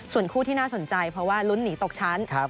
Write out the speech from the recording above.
ส่วนคู่ที่น่าสนใจเพราะว่าลุ้นหนีตกชั้น